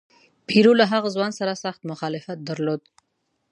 پیرو له هغه ځوان سره سخت مخالفت درلود.